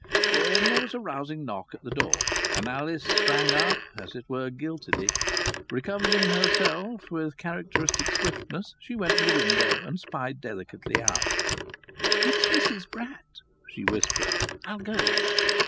Then there was a rousing knock at the door, and Alice sprang up, as it were, guiltily. Recovering herself with characteristic swiftness, she went to the window and spied delicately out. "It's Mrs Bratt," she whispered. "I'll go."